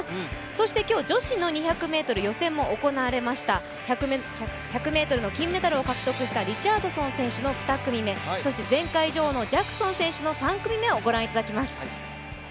そして今日女子２００ｍ予選も行われました、１００ｍの金メダルを獲得したリチャードソン選手の２組目、そして前回女王のジャクソン選手の３組目をご覧いただきます。